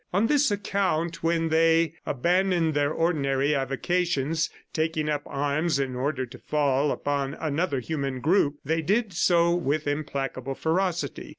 On this account, when they abandoned their ordinary avocations, taking up arms in order to fall upon another human group, they did so with implacable ferocity.